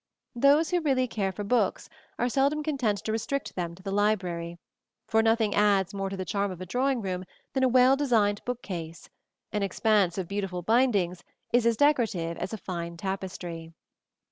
Those who really care for books are seldom content to restrict them to the library, for nothing adds more to the charm of a drawing room than a well designed bookcase: an expanse of beautiful bindings is as decorative as a fine tapestry.